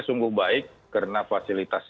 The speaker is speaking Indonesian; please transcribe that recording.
sungguh baik karena fasilitas